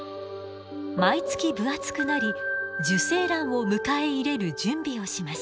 毎月分厚くなり受精卵を迎え入れる準備をします。